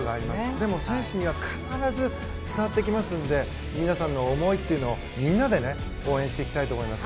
でも、選手には必ず伝わってきますので皆さんの思いをみんなで応援していきたいと思います。